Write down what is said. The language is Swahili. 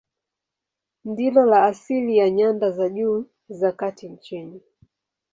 Ndilo la asili la nyanda za juu za kati nchini.